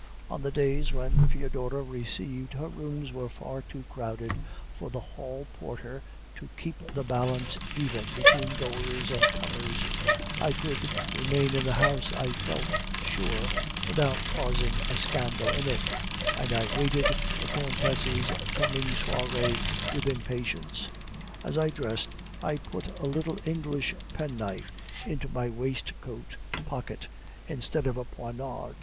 On the days when Foedora received, her rooms were far too crowded for the hall porter to keep the balance even between goers and comers; I could remain in the house, I felt sure, without causing a scandal in it, and I waited the countess' coming soiree with impatience. As I dressed I put a little English penknife into my waistcoat pocket, instead of a poniard.